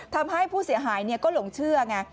ทำให้ผู้เสียหายก็หลงเชื่อไง